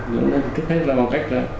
kích thích ra bao cách đó